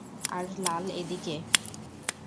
আর লাল এদিকে।